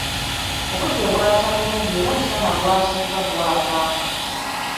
Obudde bwakya bulungi era omusana gwasiiba gwaka.